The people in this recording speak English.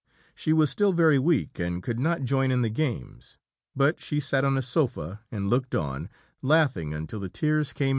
She was still very weak, and could not join in the games, but she sat on a sofa, and looked on, laughing until the tears came into her eyes.